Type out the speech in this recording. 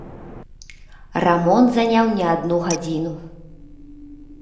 Рамонт заняў не адну гадзіну.